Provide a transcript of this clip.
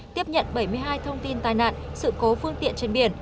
tiếp nhận bảy mươi hai thông tin tai nạn sự cố phương tiện trên biển